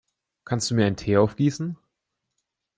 Kannst du mir einen Tee aufgießen?